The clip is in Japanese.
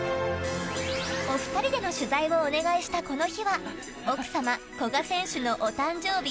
お二人での取材をお願いしたこの日は奥様・古賀選手のお誕生日